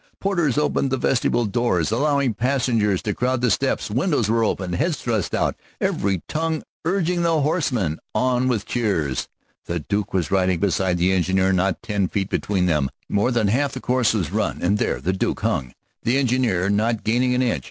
Porters opened the vestibule doors, allowing passengers to crowd the steps; windows were opened, heads thrust out, every tongue urging the horseman on with cheers. The Duke was riding beside the engineer, not ten feet between them. More than half the course was run, and there the Duke hung, the engine not gaining an inch.